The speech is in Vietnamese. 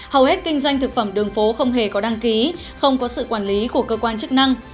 hầu hết kinh doanh thực phẩm đường phố không hề có đăng ký không có sự quản lý của cơ quan chức năng